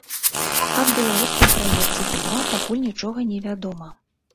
Аб беларускім пракаце фільма пакуль нічога не вядома.